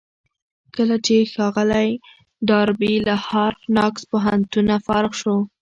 کله چې ښاغلی ډاربي له هارډ ناکس پوهنتونه فارغ شو.